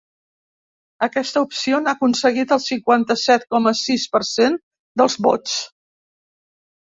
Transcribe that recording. Aquesta opció n’ha aconseguit el cinquanta-set coma sis per cent dels vots.